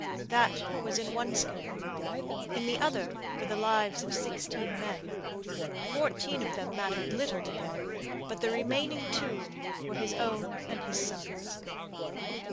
That was in one scale; in the other were the lives of sixteen men. Fourteen of them mattered little to him, but the remaining two were his own and his son's.